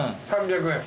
３００円。